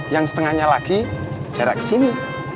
yang setengahnya lagi jarak ke sini